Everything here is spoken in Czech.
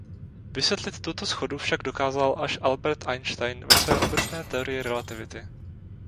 Vysvětlit tuto shodu však dokázal až Albert Einstein ve své obecné teorii relativity.